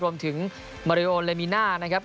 รวมถึงมาริโอเลมีน่านะครับ